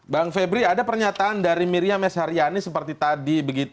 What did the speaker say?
bang febri ada pernyataan dari miriam esaryani seperti tadi